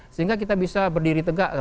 sehingga kita bisa berdiri tegak